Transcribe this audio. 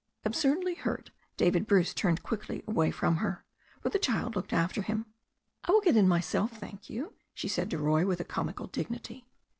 Absurdly hurt, David Bruce turned quickly away from her. But the child looked after him. "I will get in myself, thank you," she said to Roy, with a comical dignity.